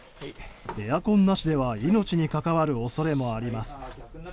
エアコンなしでは命に関わる恐れもあります。